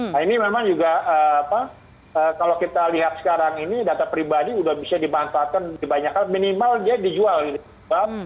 nah ini memang juga kalau kita lihat sekarang ini data pribadi sudah bisa dimanfaatkan di banyak hal minimal dia dijual gitu